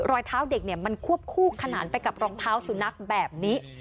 รอยเท้าเด็กมันควบคู่ขนานไปกับรองเท้าสุนัขแบบนี้